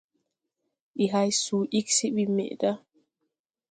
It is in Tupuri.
Ndi hay suu ig se bi meʼda.